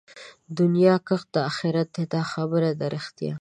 دنيا کښت د آخرت دئ دا خبره ده رښتيا